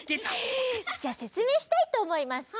じゃあせつめいしたいとおもいます。